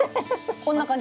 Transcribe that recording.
こんな感じ？